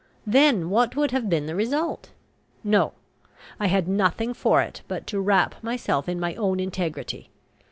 Then what would have been the result? No; I had nothing for it but to wrap myself in my own integrity.